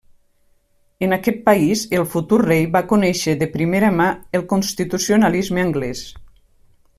En aquest país el futur rei va conèixer de primera mà el constitucionalisme anglès.